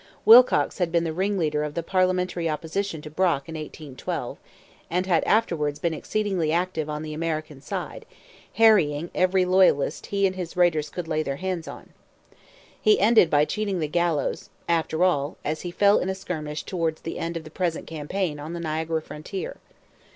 Willcocks had been the ring leader of the parliamentary opposition to Brock in 1812; and had afterwards been exceedingly active on the American side, harrying every Loyalist he and his raiders could lay their hands on. He ended by cheating the gallows, after all, as he fell in a skirmish towards the end of the present campaign on the Niagara frontier.